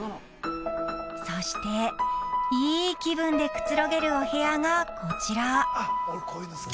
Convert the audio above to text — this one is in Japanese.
［そしていい気分でくつろげるお部屋がこちら］